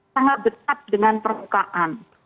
sangat betap dengan permukaan